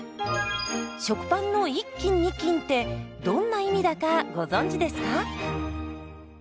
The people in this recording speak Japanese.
食パンの１斤２斤ってどんな意味だかご存じですか？